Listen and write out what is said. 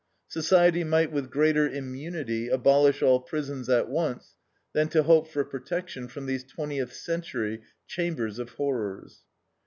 Society might with greater immunity abolish all prisons at once, than to hope for protection from these twentieth century chambers of horrors.